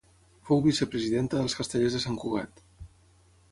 Fou vicepresidenta dels Castellers de Sant Cugat.